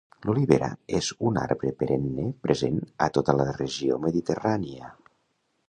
L'olivera és un arbre perenne present a tota la regió mediterrània.